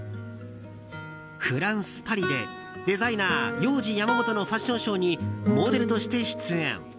フランス・パリでデザイナー、ヨウジ・ヤマモトのファッションショーにモデルとして出演。